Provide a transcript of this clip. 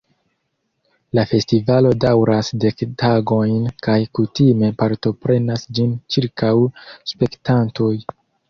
La festivalo daŭras dek tagojn kaj kutime partoprenas ĝin ĉirkaŭ spektantoj.